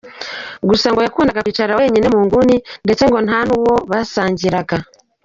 Gusa ngo yakundaga kwicara wenyine mu nguni ndetse ngo nta nuwo basangiraga.